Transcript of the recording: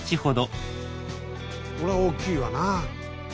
これは大きいわな。